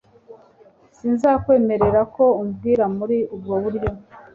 Sinzakwemerera ko umbwira muri ubwo buryo